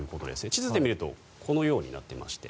地図で見るとこのようになっていまして